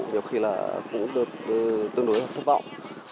nhiều khi cũng được tương đối thất vọng